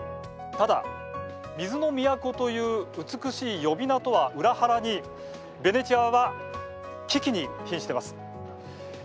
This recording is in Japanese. ただ、水の都という美しい呼び名とは裏腹にベネチアは危機にひんしています。